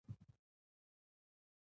د وینې د لوړ فشار لپاره باید څه شی وکاروم؟